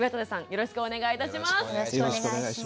よろしくお願いします。